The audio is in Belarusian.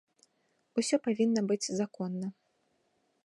Усё павінна быць законна.